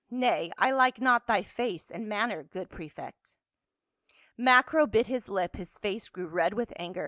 Nay, I like not thy tone and manner, good prefect." Macro bit his lip, his face grew red with anger.